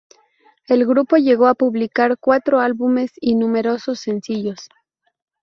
El grupo llegó a publicar cuatro álbumes, y numerosos sencillos.